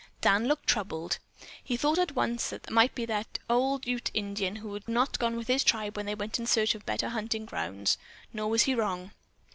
Dan looked troubled. He thought at once that it might be the old Ute Indian who had not gone with his tribe when they went in search of better hunting grounds, nor was he wrong.